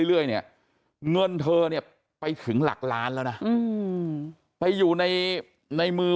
เรื่อยเนี่ยเงินเธอเนี่ยไปถึงหลักล้านแล้วนะไปอยู่ในมือ